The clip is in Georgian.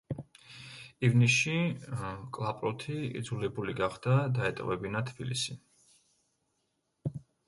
ივნისში კლაპროთი იძულებული გახდა დაეტოვებინა თბილისი.